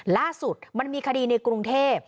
ล่าสุดมันมีคดีในกรุงเทพ